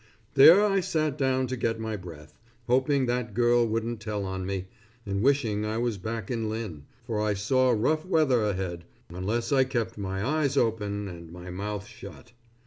There I sat down to get my breath, hoping that girl wouldn't tell on me, and wishing I was back in Lynn, for I saw rough weather ahead unless I kept my eyes open and my mouth shut.